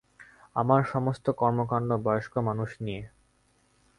আমার সমস্ত কর্মকাণ্ড বয়স্ক মানুষ নিয়ে।